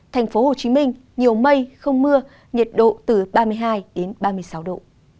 thành phố hồ chí minh nhiều mây không mưa nhiệt độ từ ba mươi hai ba mươi sáu độ